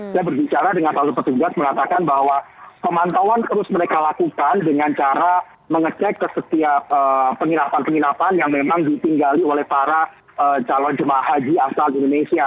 saya berbicara dengan salah satu petugas mengatakan bahwa pemantauan terus mereka lakukan dengan cara mengecek ke setiap penginapan penginapan